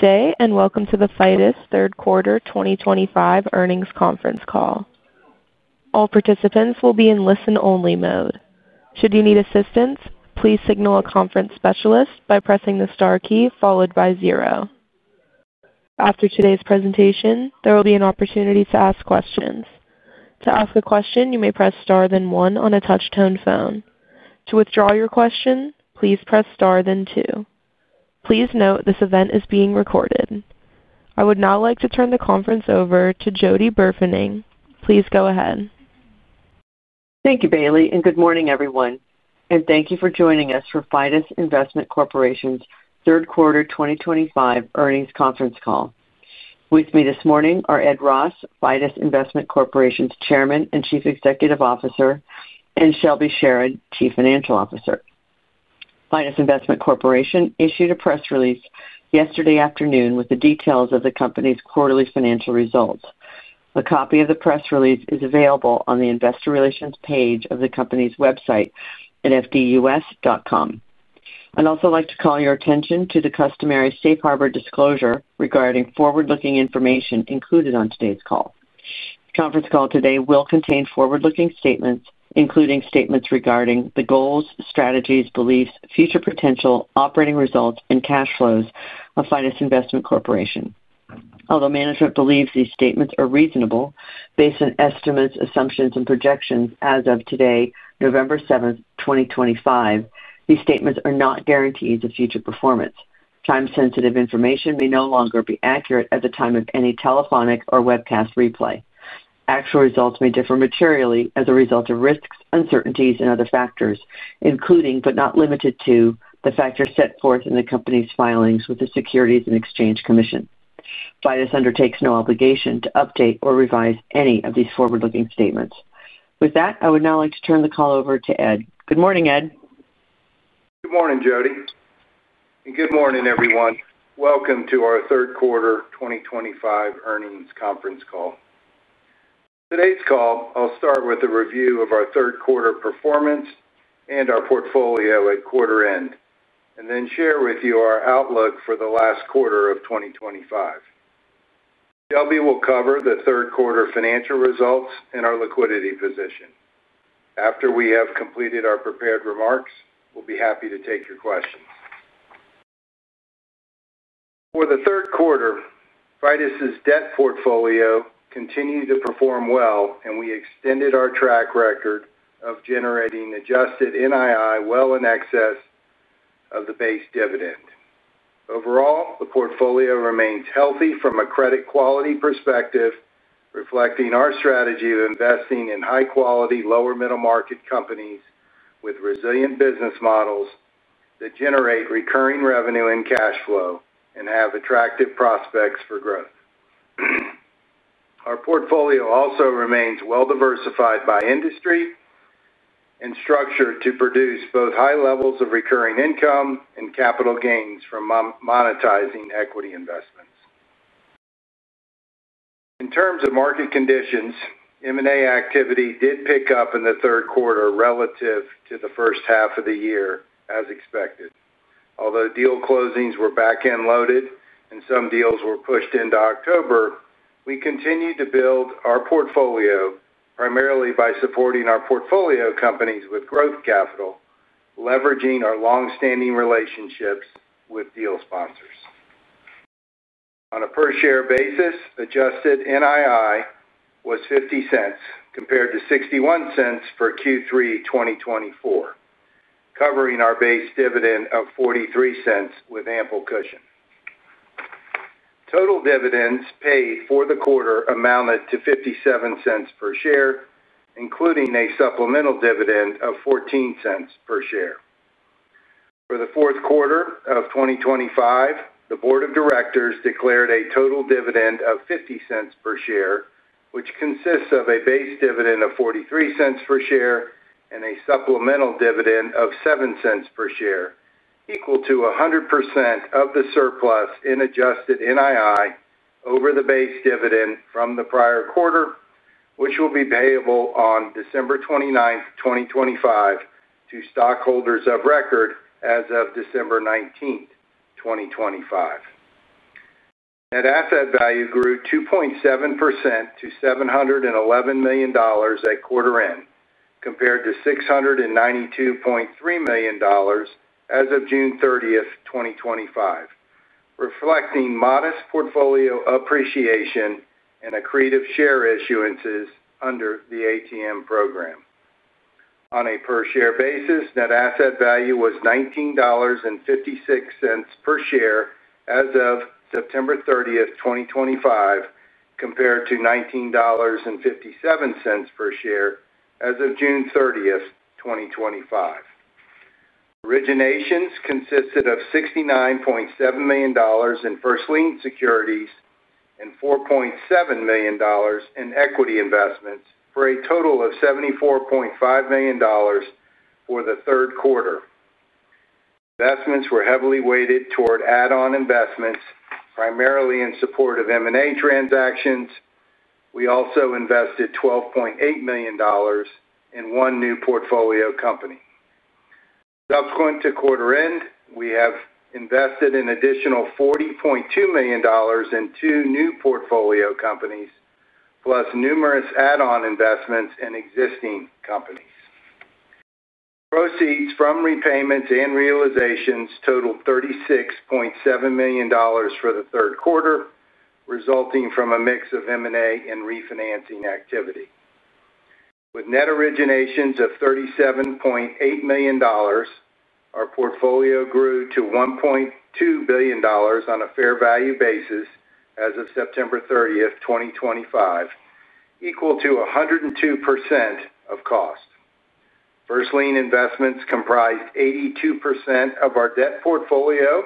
Good day and welcome to the Fidus Third Quarter 2025 Earnings Conference Call. All participants will be in listen-only mode. Should you need assistance, please signal a conference specialist by pressing the star key followed by zero. After today's presentation, there will be an opportunity to ask questions. To ask a question, you may press star then one on a touch-tone phone. To withdraw your question, please press star then two. Please note this event is being recorded. I would now like to turn the conference over to Jody Burfening. Please go ahead. Thank you, Bailey, and good morning, everyone. Thank you for joining us for Fidus Investment Corporation's Third Quarter 2025 Earnings Conference Call. With me this morning are Ed Ross, Fidus Investment Corporation's Chairman and Chief Executive Officer, and Shelby Sherard, Chief Financial Officer. Fidus Investment Corporation issued a press release yesterday afternoon with the details of the company's quarterly financial results. A copy of the press release is available on the investor relations page of the company's website at fdus.com. I'd also like to call your attention to the customary safe harbor disclosure regarding forward-looking information included on today's call. The conference call today will contain forward-looking statements, including statements regarding the goals, strategies, beliefs, future potential, operating results, and cash flows of Fidus Investment Corporation. Although management believes these statements are reasonable based on estimates, assumptions, and projections as of today, November 7th, 2025, these statements are not guarantees of future performance. Time-sensitive information may no longer be accurate at the time of any telephonic or webcast replay. Actual results may differ materially as a result of risks, uncertainties, and other factors, including, but not limited to, the factors set forth in the company's filings with the Securities and Exchange Commission. Fidus undertakes no obligation to update or revise any of these forward-looking statements. With that, I would now like to turn the call over to Ed. Good morning, Ed. Good morning, Jody. Good morning, everyone. Welcome to our Third Quarter 2025 Earnings Conference Call. For today's call, I'll start with a review of our third-quarter performance and our portfolio at quarter end, and then share with you our outlook for the last quarter of 2025. Shelby will cover the third-quarter financial results and our liquidity position. After we have completed our prepared remarks, we'll be happy to take your questions. For the third quarter, Fidus' debt portfolio continued to perform well, and we extended our track record of generating adjusted NII well in excess of the base dividend. Overall, the portfolio remains healthy from a credit quality perspective, reflecting our strategy of investing in high-quality, lower-middle-market companies with resilient business models that generate recurring revenue and cash flow and have attractive prospects for growth. Our portfolio also remains well-diversified by industry and structured to produce both high levels of recurring income and capital gains from monetizing equity investments. In terms of market conditions, M&A activity did pick up in the third quarter relative to the first half of the year, as expected. Although deal closings were back-end loaded and some deals were pushed into October, we continue to build our portfolio primarily by supporting our portfolio companies with growth capital, leveraging our long-standing relationships with deal sponsors. On a per-share basis, adjusted NII was $0.50 compared to $0.61 for Q3 2024, covering our base dividend of $0.43 with ample cushion. Total dividends paid for the quarter amounted to $0.57 per share, including a supplemental dividend of $0.14 per share. For the fourth quarter of 2025, the board of directors declared a total dividend of $0.50 per share, which consists of a base dividend of $0.43 per share and a supplemental dividend of $0.07 per share, equal to 100% of the surplus in adjusted NII over the base dividend from the prior quarter, which will be payable on December 29th, 2025, to stockholders of record as of December 19th, 2025. Net asset value grew 2.7% to $711 million at quarter end, compared to $692.3 million as of June 30th, 2025, reflecting modest portfolio appreciation and accretive share issuances under the ATM program. On a per-share basis, net asset value was $19.56 per share as of September 30th, 2025, compared to $19.57 per share as of June 30th, 2025. Originations consisted of $69.7 million in First-lien securities and $4.7 million in equity investments for a total of $74.5 million for the third quarter. Investments were heavily weighted toward add-on investments, primarily in support of M&A transactions. We also invested $12.8 million in one new portfolio company. Subsequent to quarter-end, we have invested an additional $40.2 million in two new portfolio companies, plus numerous add-on investments in existing companies. Proceeds from repayments and realizations totaled $36.7 million for the third quarter, resulting from a mix of M&A and refinancing activity. With net originations of $37.8 million, our portfolio grew to $1.2 billion on a fair value basis as of September 30th, 2025, equal to 102% of cost. First-lien investments comprised 82% of our debt portfolio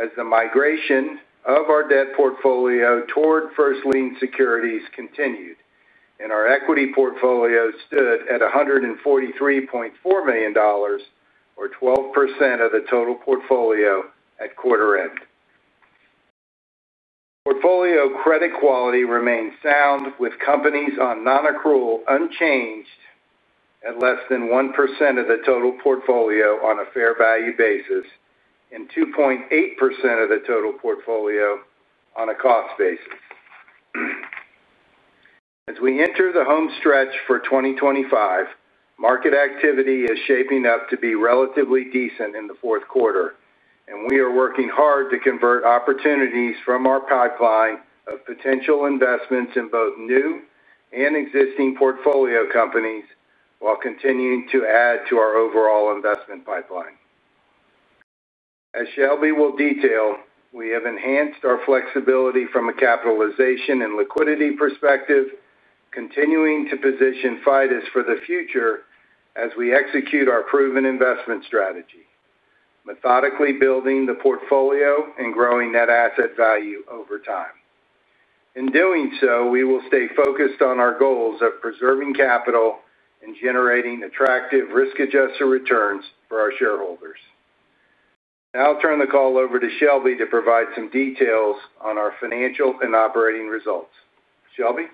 as the migration of our debt portfolio toward First-lien securities continued, and our equity portfolio stood at $143.4 million, or 12% of the total portfolio at quarter end. Portfolio credit quality remained sound, with companies on non-accrual unchanged at less than 1% of the total portfolio on a fair value basis and 2.8% of the total portfolio on a cost basis. As we enter the home stretch for 2025, market activity is shaping up to be relatively decent in the fourth quarter, and we are working hard to convert opportunities from our pipeline of potential investments in both new and existing portfolio companies while continuing to add to our overall investment pipeline. As Shelby will detail, we have enhanced our flexibility from a capitalization and liquidity perspective, continuing to position Fidus for the future as we execute our proven investment strategy, methodically building the portfolio and growing net asset value over time. In doing so, we will stay focused on our goals of preserving capital and generating attractive risk-adjusted returns for our shareholders. Now I'll turn the call over to Shelby to provide some details on our financial and operating results. Shelby.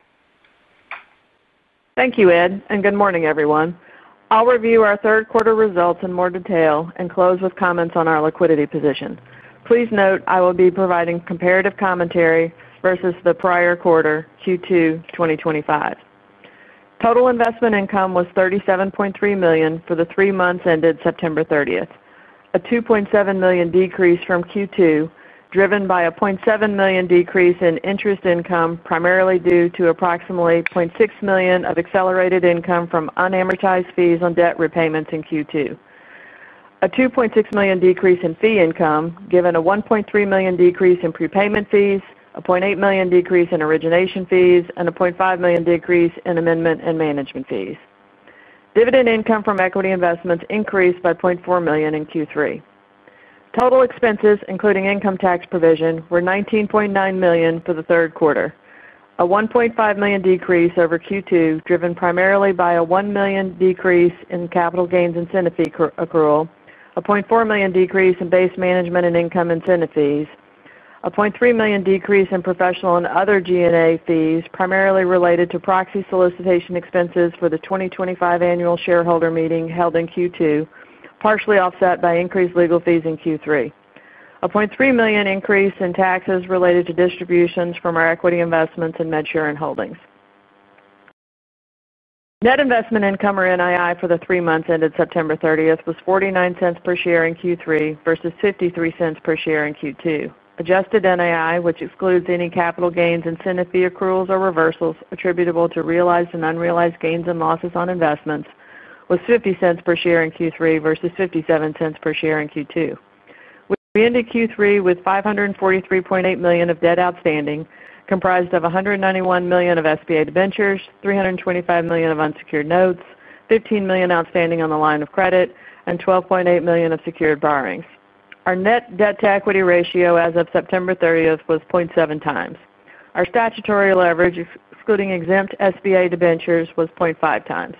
Thank you, Ed. Good morning, everyone. I'll review our third quarter results in more detail and close with comments on our liquidity position. Please note I will be providing comparative commentary versus the prior quarter, Q2 2025. Total investment income was $37.3 million for the three months ended September 30th, a $2.7 million decrease from Q2 driven by a $0.7 million decrease in interest income, primarily due to approximately $0.6 million of accelerated income from unamortized fees on debt repayments in Q2, a $2.6 million decrease in fee income given a $1.3 million decrease in prepayment fees, a $0.8 million decrease in origination fees, and a $0.5 million decrease in amendment and management fees. Dividend income from equity investments increased by $0.4 million in Q3. Total expenses, including income tax provision, were $19.9 million for the third quarter, a $1.5 million decrease over Q2 driven primarily by a $1 million decrease in capital gains and CINA fee accrual, a $0.4 million decrease in base management and income and CINA fees, a $0.3 million decrease in professional and other G&A fees, primarily related to proxy solicitation expenses for the 2025 Annual Shareholder Meeting held in Q2, partially offset by increased legal fees in Q3, a $0.3 million increase in taxes related to distributions from our equity investments in MedShare and Holdings. Net investment income or NII for the three months ended September 30th was $0.49 per share in Q3 versus $0.53 per share in Q2. Adjusted NII, which excludes any capital gains and CINA fee accruals or reversals attributable to realized and unrealized gains and losses on investments, was $0.50 per share in Q3 versus $0.57 per share in Q2. We ended Q3 with $543.8 million of debt outstanding, comprised of $191 million of SBA debentures, $325 million of unsecured notes, $15 million outstanding on the line of credit, and $12.8 million of secured borrowings. Our net debt to equity ratio as of September 30th was 0.7x. Our statutory leverage, excluding exempt SBA debentures, was 0.5x.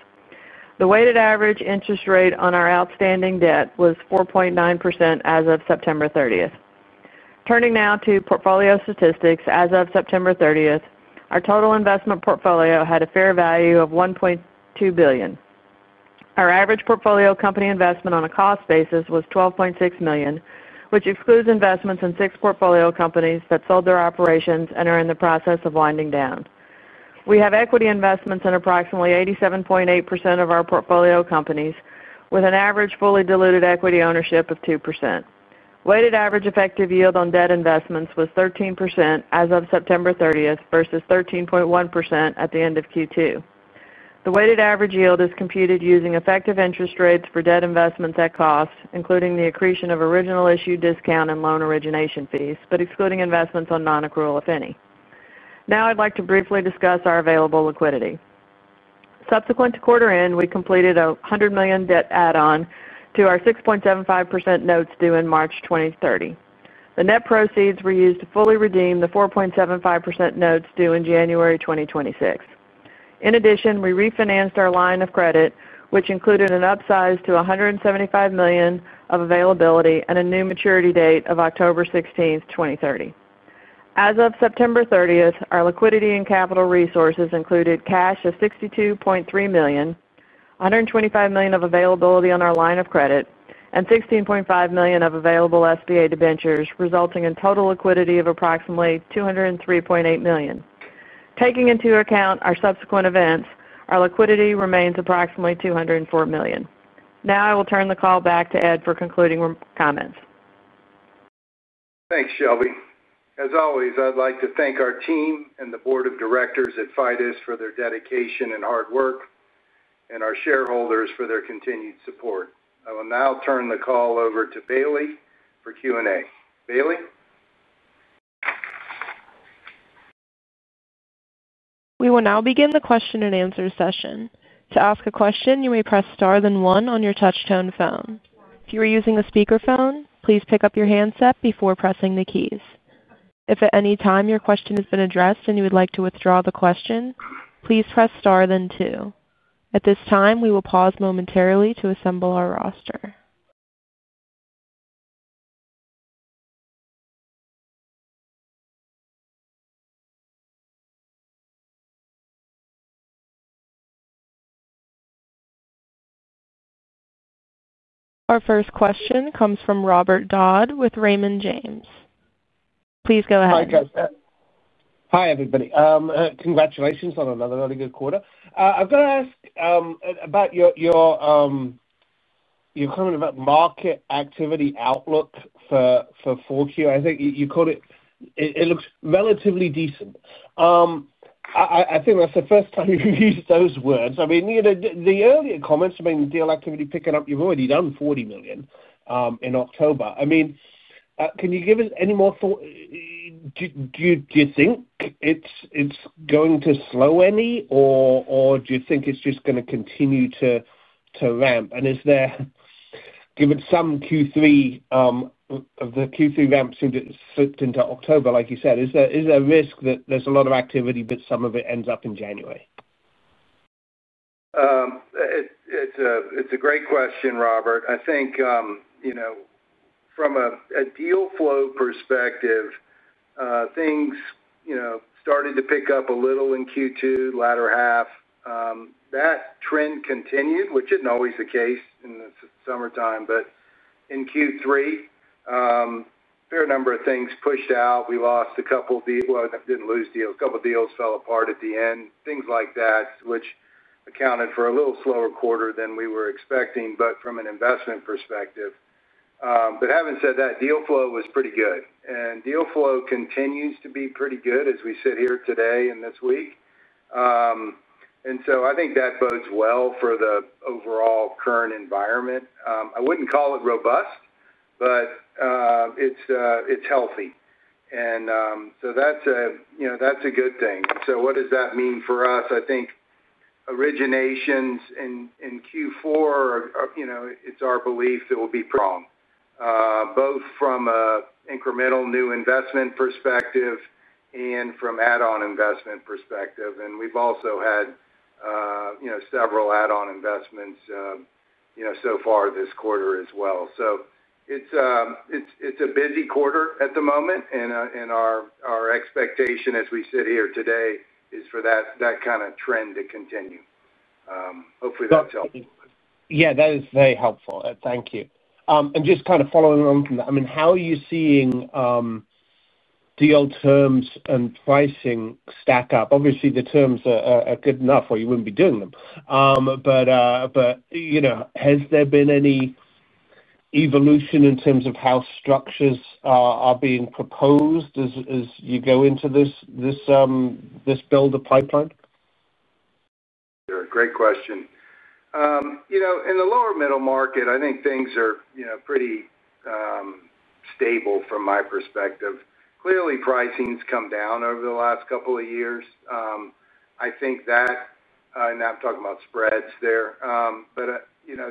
The weighted average interest rate on our outstanding debt was 4.9% as of September 30th. Turning now to portfolio statistics as of September 30th, our total investment portfolio had a fair value of $1.2 billion. Our average portfolio company investment on a cost basis was $12.6 million, which excludes investments in six portfolio companies that sold their operations and are in the process of winding down. We have equity investments in approximately 87.8% of our portfolio companies, with an average fully diluted equity ownership of 2%. Weighted average effective yield on debt investments was 13% as of September 30th versus 13.1% at the end of Q2. The weighted average yield is computed using effective interest rates for debt investments at cost, including the accretion of original issue discount and loan origination fees, but excluding investments on non-accrual, if any. Now I'd like to briefly discuss our available liquidity. Subsequent to quarter-end, we completed a $100 million debt add-on to our 6.75% notes due in March 2030. The net proceeds were used to fully redeem the 4.75% notes due in January 2026. In addition, we refinanced our line of credit, which included an upsize to $175 million of availability and a new maturity date of October 16, 2030. As of September 30th, our liquidity and capital resources included cash of $62.3 million, $125 million of availability on our line of credit, and $16.5 million of available SBA debentures, resulting in total liquidity of approximately $203.8 million. Taking into account our subsequent events, our liquidity remains approximately $204 million. Now I will turn the call back to Ed for concluding comments. Thanks, Shelby. As always, I'd like to thank our team and the Board of Directors at Fidus for their dedication and hard work, and our shareholders for their continued support. I will now turn the call over to Bailey for Q&A. Bailey. We will now begin the question and answer session. To ask a question, you may press star then one on your touch-tone phone. If you are using a speakerphone, please pick up your handset before pressing the keys. If at any time your question has been addressed and you would like to withdraw the question, please press star then two. At this time, we will pause momentarily to assemble our roster. Our first question comes from Robert Dodd with Raymond James. Please go ahead. Hi, Robert. Hi, everybody. Congratulations on another really good quarter. I've got to ask about your comment about market activity outlook for 4Q. I think you called it it looks relatively decent. I think that's the first time you've used those words. I mean, the earlier comments about deal activity picking up, you've already done $40 million in October. I mean, can you give us any more thought? Do you think it's going to slow any, or do you think it's just going to continue to ramp? Is there, given some Q3 of the Q3 ramp slipped into October, like you said, is there a risk that there's a lot of activity, but some of it ends up in January? It's a great question, Robert. I think from a deal flow perspective, things started to pick up a little in Q2, latter half. That trend continued, which is not always the case in the summertime. But in Q3, a fair number of things pushed out. We lost a couple of deals—well, did not lose deals. A couple of deals fell apart at the end, things like that, which accounted for a little slower quarter than we were expecting from an investment perspective. But having said that, deal flow was pretty good. Deal flow continues to be pretty good as we sit here today and this week. I think that bodes well for the overall current environment. I would not call it robust, but it is healthy. And that is a good thing. What does that mean for us? I think originations in Q4, it's our belief that will be strong, both from an incremental new investment perspective and from add-on investment perspective. We have also had several add-on investments so far this quarter as well. It is a busy quarter at the moment. Our expectation as we sit here today is for that kind of trend to continue. Hopefully, that's helpful. Yeah, that is very helpful. Thank you. Just kind of following on from that, I mean, how are you seeing deal terms and pricing stack up? Obviously, the terms are good enough or you would not be doing them. Has there been any evolution in terms of how structures are being proposed as you go into this build of pipeline? Great question. In the lower middle market, I think things are pretty stable from my perspective. Clearly, pricing's come down over the last couple of years. I think that—and I'm talking about spreads there—but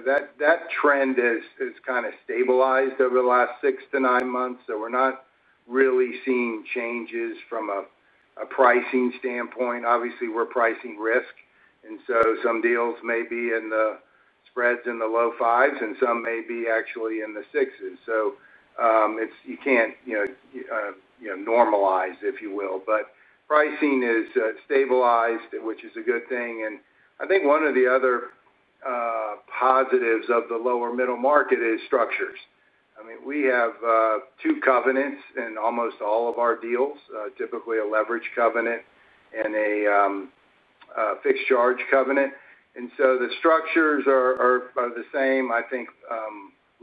that trend has kind of stabilized over the last six to nine months. We're not really seeing changes from a pricing standpoint. Obviously, we're pricing risk. Some deals may be in the spreads in the low fives, and some may be actually in the sixes. You can't normalize, if you will. Pricing is stabilized, which is a good thing. I think one of the other positives of the lower middle market is structures. I mean, we have two covenants in almost all of our deals, typically a leverage covenant and a fixed charge covenant. The structures are the same. I think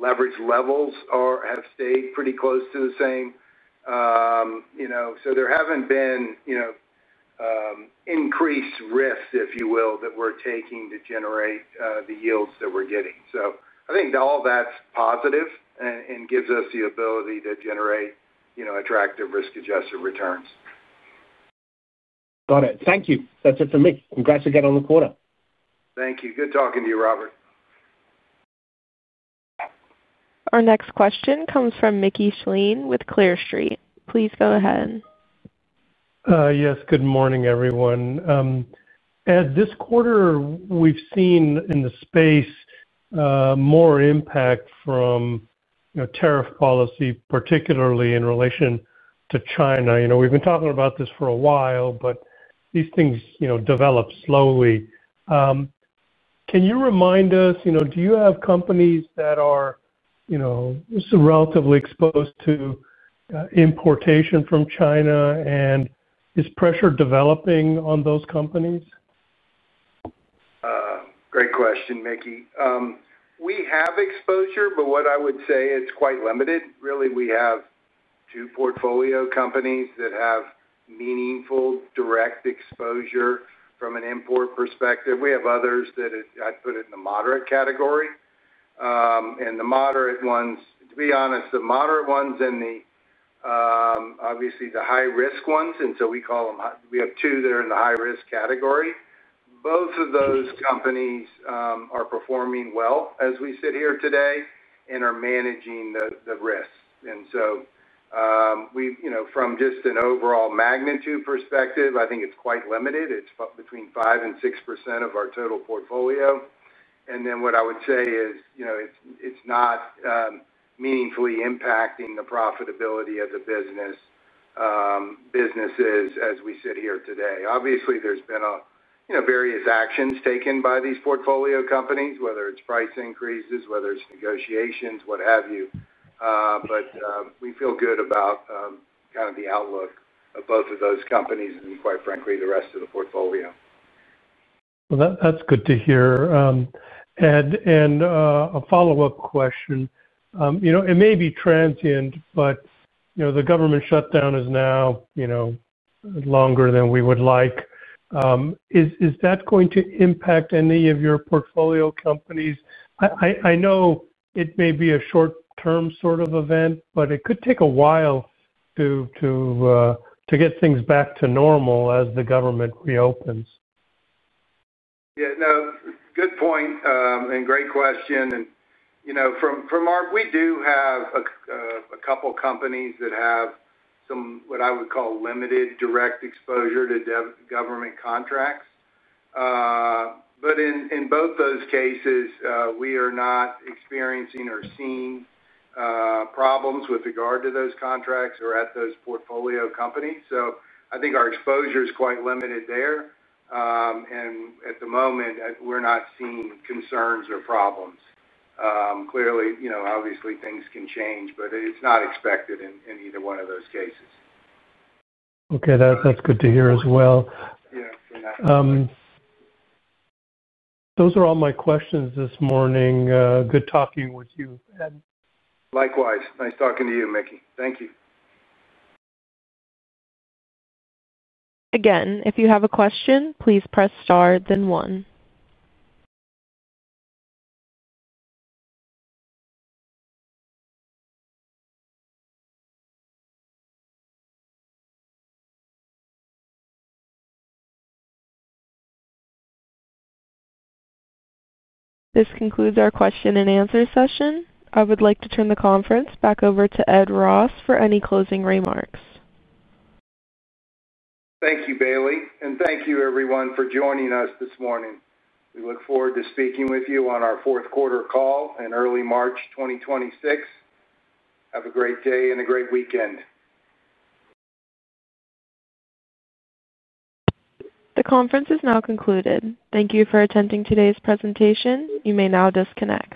leverage levels have stayed pretty close to the same. You known there have not been increased risks, if you will, that we are taking to generate the yields that we are getting. I think all that is positive and gives us the ability to generate attractive risk-adjusted returns. Got it. Thank you. That's it for me. Congrats again on the quarter. Thank you. Good talking to you, Robert. Our next question comes from Mickey Schleien with Clear Street. Please go ahead. Yes, good morning, everyone. Ed, this quarter, we've seen in the space more impact from tariff policy, particularly in relation to China. We've been talking about this for a while, but these things develop slowly. Can you remind us, do you have companies that are relatively exposed to importation from China, and is pressure developing on those companies? Great question, Mickey. We have exposure, but what I would say is quite limited. Really, we have two portfolio companies that have meaningful direct exposure from an import perspective. We have others that I'd put in the moderate category. And the moderate ones, to be honest, the moderate ones and obviously the high-risk ones, and so we call them—we have two that are in the high-risk category. Both of those companies are performing well as we sit here today and are managing the risks. From just an overall magnitude perspective, I think it's quite limited. It's between 5% and 6% of our total portfolio. What I would say is it's not meaningfully impacting the profitability of the businesses as we sit here today. Obviously, there's been various actions taken by these portfolio companies, whether it's price increases, whether it's negotiations, what have you. We feel good about kind of the outlook of both of those companies and, quite frankly, the rest of the portfolio. That's good to hear. Ed, and a follow-up question. It may be transient, but the government shutdown is now longer than we would like. Is that going to impact any of your portfolio companies? I know it may be a short-term sort of event, but it could take a while to get things back to normal as the government reopens. Yeah, no, good point and great question. From our—we do have a couple of companies that have some, what I would call, limited direct exposure to government contracts. But in both those cases, we are not experiencing or seeing problems with regard to those contracts or at those portfolio companies. I think our exposure is quite limited there. And at the moment, we're not seeing concerns or problems. Clearly, obviously, things can change, but it's not expected in either one of those cases. Okay, that's good to hear as well. Those are all my questions this morning. Good talking with you, Ed. Likewise. Nice talking to you, Mickey. Thank you. Again, if you have a question, please press star then one. This concludes our question-and-answer session. I would like to turn the conference back over to Ed Ross for any closing remarks. Thank you, Bailey. Thank you, everyone, for joining us this morning. We look forward to speaking with you on our fourth quarter call in early March 2026. Have a great day and a great weekend. The conference is now concluded. Thank you for attending today's presentation. You may now disconnect.